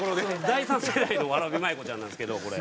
第３世代のわらび舞妓ちゃんなんですけど。